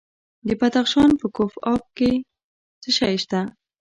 د بدخشان په کوف اب کې څه شی شته؟